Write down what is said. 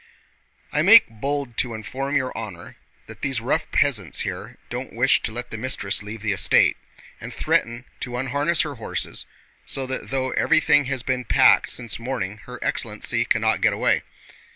"I make bold to inform your honor that the rude peasants here don't wish to let the mistress leave the estate, and threaten to unharness her horses, so that though everything has been packed up since morning, her excellency cannot get away."